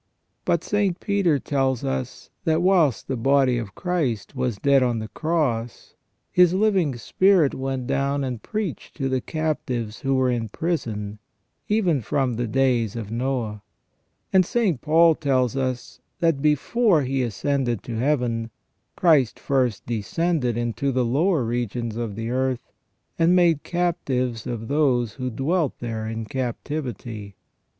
But St. Peter tells us, that whilst the body of Christ was dead on the Cross, His living spirit went down and preached to the captives who were in prison, even from the days of Noe. And St. Paul tells us, that before He ascended to Heaven, Christ first descended into the lower regions of the earth, and made captives of those who dwelt there in captivity.